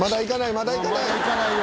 「まだ行かないよ！」